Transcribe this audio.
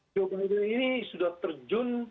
joe biden ini sudah terjun